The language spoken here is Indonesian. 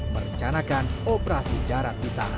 merencanakan operasi darat di sana